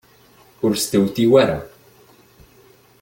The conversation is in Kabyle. Ur stewtiw ara.